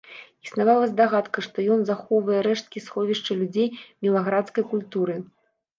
Існавала здагадка, што ён захоўвае рэшткі сховішча людзей мілаградскай культуры.